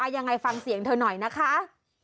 ยังไงฟังเสียงเธอหน่อยนะคะ